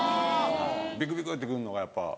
ビクビクって来るのがやっぱ。